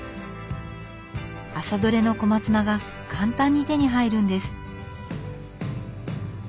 朝取れの小松菜が簡単に手に入るんです。